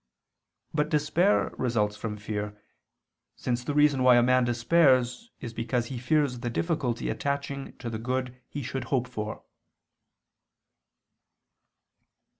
But despair results from fear: since the reason why a man despairs is because he fears the difficulty attaching to the good he should hope for.